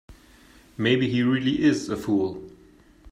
Maybe he really is a fool.